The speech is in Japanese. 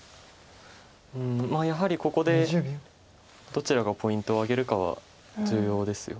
やはりここでどちらがポイントを挙げるかは重要です。